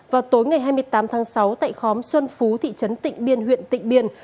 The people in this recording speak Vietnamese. vào tối ngày hai mươi tám tháng sáu tại khóm xuân phú thị trấn tịnh biên huyện tịnh biên